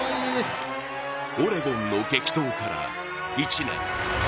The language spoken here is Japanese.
オレゴンの激闘から１年。